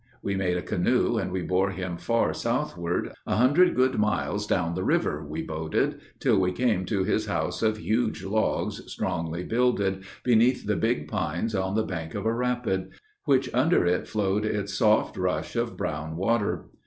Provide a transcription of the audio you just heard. We made a canoe and we bore him far southward. A hundred good miles down the river we boated, Till we came to his house of huge logs, strongly builded, Beneath the big pines on the bank of a rapid, Which under it flowed its soft rush of brown water.